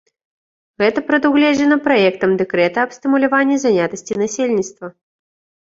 Гэта прадугледжана праектам дэкрэта аб стымуляванні занятасці насельніцтва.